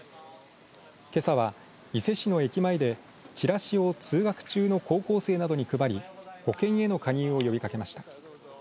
けさは、伊勢市の駅前でチラシを通学中の高校生などに配り保険への加入を呼びかけました。